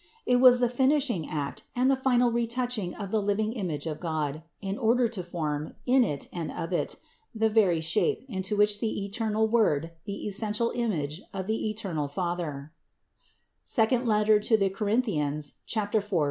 It was the finishing act and the final retouching of the living image of God, in order to form, in it and of it, the very shape, into which the eternal Word, the essen tial image of the eternal Father (II Cor.